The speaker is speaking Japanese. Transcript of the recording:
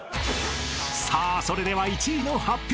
［さあそれでは１位の発表です］